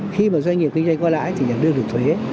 khi mà doanh nghiệp kinh doanh qua lãi thì nhà đưa được thuế